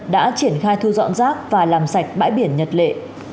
đã triển khai thu dọn rác và làm sạch bãi biển nhật lệ